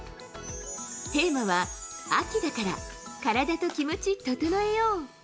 テーマは、秋だから、カラダとキモチ整えよう。